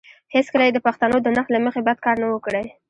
هېڅکله یې د پښتنو د نرخ له مخې بد کار نه وو کړی.